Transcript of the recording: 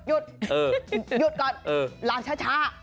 หยุดก่อนรำช้า